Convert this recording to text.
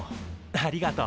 ありがとう。